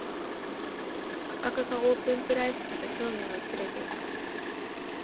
価格がオープンプライスだと興味が薄れていく